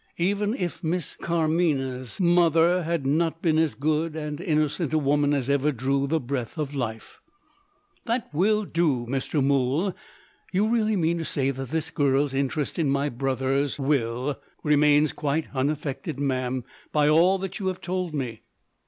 Even if Miss Carmina's mother had not been as good and innocent a woman as ever drew the breath of life " "That will do, Mr. Mool. You really mean to say that this girl's interest in my brother's Will " "Remains quite unaffected, ma'am, by all that you have told me."